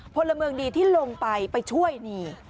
พลเมืองดีที่ลงไปไปช่วยนี่